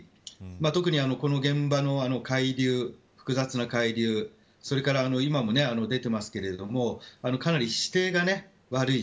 特にこの現場の海流複雑な海流それから、今も出ていますがかなり視程が悪い。